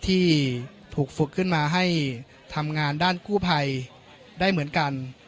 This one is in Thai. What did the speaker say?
ที่ถูกฝึกขึ้นมาให้ทำงานด้านกู้ภัยได้เหมือนกัน